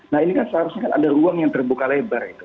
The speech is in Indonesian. nah ini kan seharusnya kan ada ruang yang terbuka lebar gitu